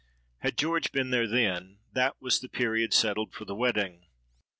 Had George been there then, that was the period settled for the wedding.